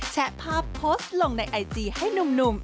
แชะภาพโพสต์ลงในไอจีให้หนุ่ม